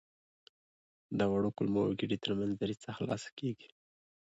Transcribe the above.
د وړو کولمو او ګیدې تر منځ دریڅه خلاصه کېږي.